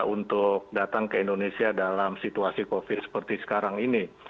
untuk datang ke indonesia dalam situasi covid seperti sekarang ini